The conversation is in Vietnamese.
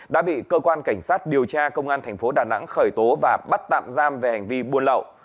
đã bị cơ quan cảnh sát điều tra công an thành phố đà nẵng khởi tố và bắt tạm giam về hành vi buôn lậu